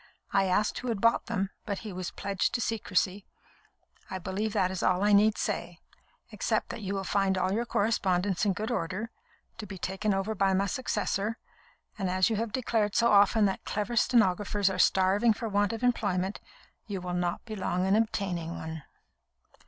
I asked who had bought them, but he was pledged to secrecy. I believe that is all I need say, except that you will find all your correspondence in good order, to be taken over by my successor; and as you have declared so often that clever stenographers are starving for want of employment, you will not be long in obtaining one."